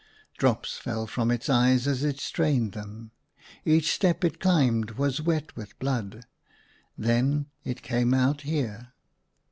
Drops fell from its eyes as it strained them ; each step it climbed was wet with blood. Then it came out here."